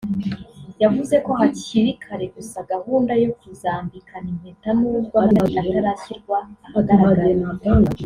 yavuze ko hakiri kare gusa gahunda yo kuzambikana impeta nubwo amatariki atarashyirwa ahagaragara